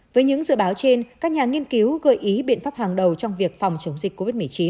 với những dự báo trên các nhà nghiên cứu gợi ý biện pháp hàng đầu trong việc phòng chống dịch covid một mươi chín